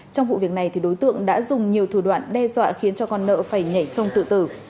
trong vụ việc này đối tượng đã dùng nhiều thủ đoạn đe dọa khiến cho con nợ phải nhảy sông tự tử